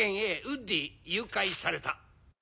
ウッディ誘拐された」